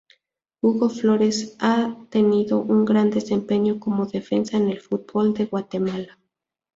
Hugo Flores ha tenido un gran desempeñó como defensa en el fútbol de Guatemala.